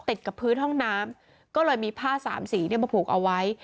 ติดกับพื้นห้องน้ำก็เลยมีผ้าสามสีมาผูกเอาไว้